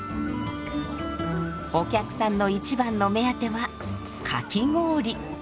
お客さんの一番の目当てはかき氷。